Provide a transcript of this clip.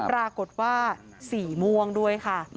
ปรากฏว่าสีม่วงด้วยค่ะ